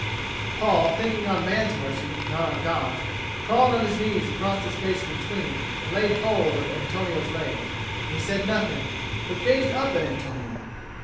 But Paul, thinking on man's mercy, not on God's, crawled on his knees across the space between and laid hold of Antonio's legs. And he said nothing, but gazed up at Antonio.